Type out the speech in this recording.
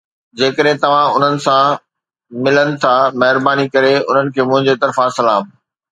جيڪڏهن توهان انهن سان ملن ٿا، مهرباني ڪري انهن کي منهنجي طرفان سلام.